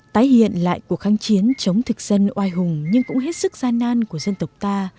tái hiện lại cuộc kháng chiến chống thực dân oai hùng nhưng cũng hết sức gian nan của dân tộc ta